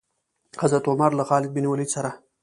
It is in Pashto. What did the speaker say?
حضرت عمر له خالد بن ولید سره.